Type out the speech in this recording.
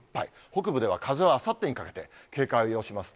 北部では、風はあさってにかけて、警戒を要します。